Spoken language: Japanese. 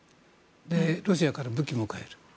ロシアから武器も買える。